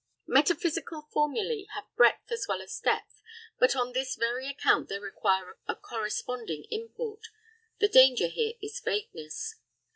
Metaphysical formulæ have breadth as well as depth, but on this very account they require a corresponding import; the danger here is vagueness.